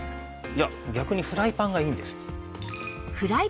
いや逆にフライパンがいいんですよ。